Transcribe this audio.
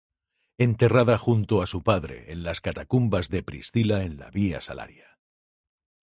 Enterrada junto a su padre en las catacumbas de Priscila en la Vía Salaria.